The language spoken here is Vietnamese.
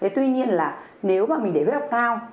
tuy nhiên là nếu mà mình để huyết áp cao